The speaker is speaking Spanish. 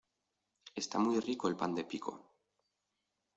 Está muy rico el pan de pico